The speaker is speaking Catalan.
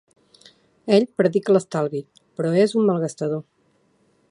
Ell predica l'estalvi, però és un malgastador.